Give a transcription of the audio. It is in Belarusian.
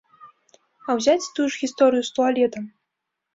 А ўзяць тую ж гісторыю з туалетам.